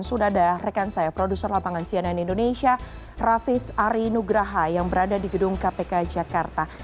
sudah ada rekan saya produser lapangan cnn indonesia raffis ari nugraha yang berada di gedung kpk jakarta